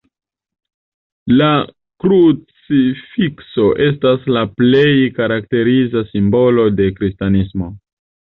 La krucifikso estas la plej karakteriza simbolo de kristanismo.